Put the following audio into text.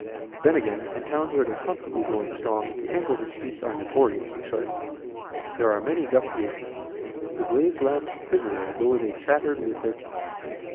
Then, again, in towns where it is constantly blowing strong the angles of streets are notoriously sharp. There are many gusty openings. The glazed lamps quiver as though they chattered with their teeth.